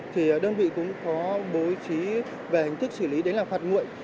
thì đơn vị cũng có bố trí về hành thức xử lý đến là phạt nguội